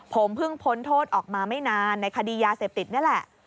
ผมเพิ่งพ้นโทษออกมาไม่นานในคดียาเสพติดนี่แหละ